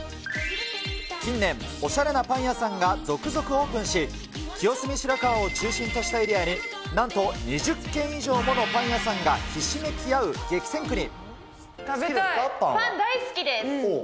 近年、おしゃれなパン屋さんが続々オープンし、清澄白河を中心としたエリアに、なんと２０軒以上ものパン屋さんがひしめき合う激戦区に。